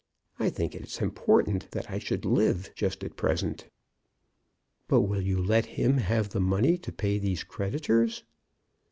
I think it important that I should live just at present." "But will you let him have the money to pay these creditors?"